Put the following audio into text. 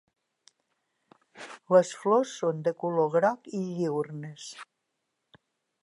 Les flors són de color groc i diürnes.